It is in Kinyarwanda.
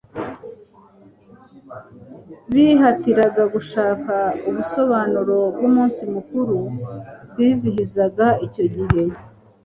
Bihatiraga gushaka ubusobanuro bw'umunsi mukuru bizihizaga icyo gihe,